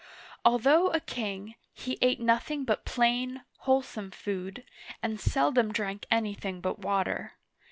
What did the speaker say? Although a king, he ate nothing but plain, wholesome food, and seldom drank anything but water.